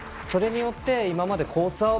それによって今までコース